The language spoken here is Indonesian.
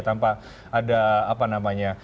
tanpa ada apa namanya